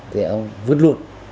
thì ông vứt luôn